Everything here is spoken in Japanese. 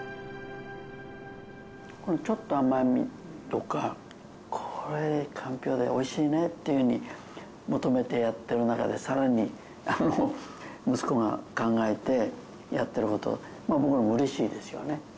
このちょっと甘みとかこれかんぴょうで美味しいねっていうふうに求めてやってる中でさらにあの息子が考えてやってる事まあ僕らも嬉しいですよね。